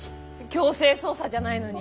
強制捜査じゃないのに！？